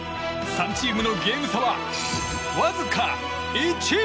３チームのゲーム差はわずか１。